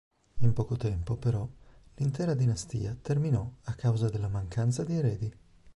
In poco tempo, però, l'intera dinastia terminò a causa della mancanza di eredi.